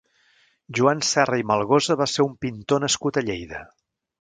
Joan Serra i Melgosa va ser un pintor nascut a Lleida.